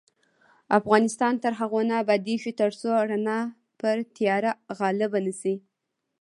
افغانستان تر هغو نه ابادیږي، ترڅو رڼا پر تیاره غالبه نشي.